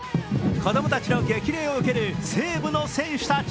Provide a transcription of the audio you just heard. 子供たちの激励を受ける西武の選手たち。